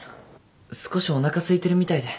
少しおなかすいてるみたいで。